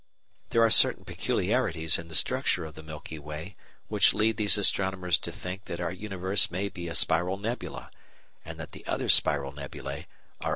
There are certain peculiarities in the structure of the Milky Way which lead these astronomers to think that our universe may be a spiral nebula, and that the other spiral nebulæ are "other universes."